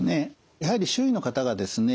やはり周囲の方がですね